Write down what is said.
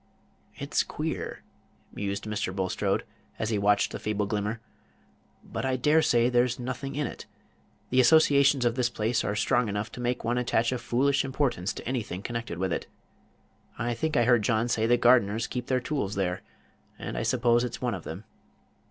"It's queer!" mused Mr. Bulstrode, as he watched the feeble glimmer; "but I dare say there's nothing in it. The associations of this place are strong enough to make one attach a foolish importance to anything connected with it. I think I heard John say the gardeners keep their tools there, and I suppose it's one of them.